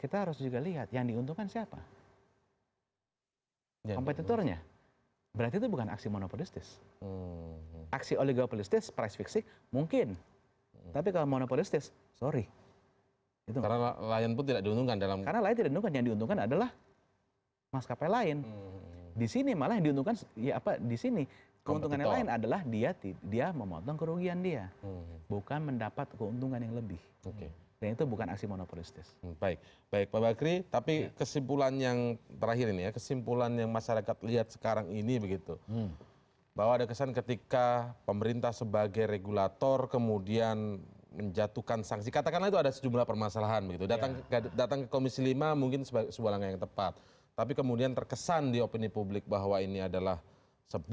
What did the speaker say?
tetaplah di cnn indonesia prime news